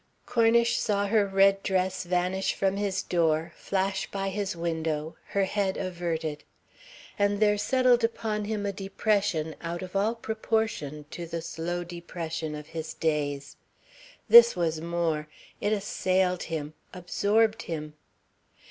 Cornish saw her red dress vanish from his door, flash by his window, her head averted. And there settled upon him a depression out of all proportion to the slow depression of his days. This was more it assailed him, absorbed him.